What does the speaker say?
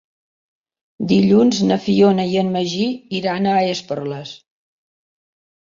Dilluns na Fiona i en Magí iran a Esporles.